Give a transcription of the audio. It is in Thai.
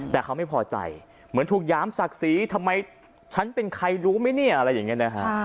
แต่เขาไม่พอใจเหมือนถูกหยามศักดิ์ศรีทำไมฉันเป็นใครรู้ไหมเนี่ยอะไรอย่างนี้นะฮะ